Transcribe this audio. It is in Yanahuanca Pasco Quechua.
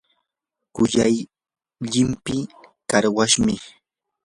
kuyay llimpii qarwashmi.